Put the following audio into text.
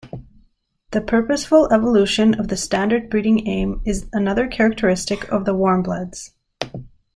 The purposeful evolution of the standard breeding aim is another characteristic of the warmbloods.